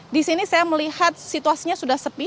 di sini saya melihat situasinya sudah sepi